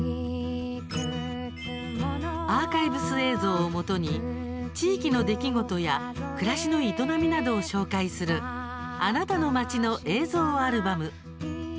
アーカイブス映像をもとに地域の出来事や暮らしの営みなどを紹介する「あなたの町の映像アルバム」。